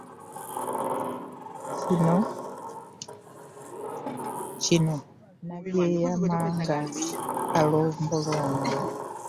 Kino na kyeyama nga kalobolombo.